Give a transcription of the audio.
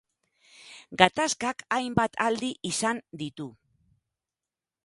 Gatazkak hainbat aldi izan ditu.